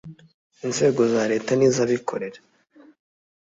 inzego za Leta niz abikorera